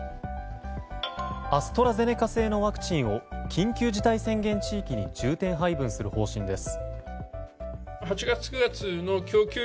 アストラゼネカ製のワクチンを緊急事態宣言下地域に重点配分する方針です。